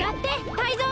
タイゾウ！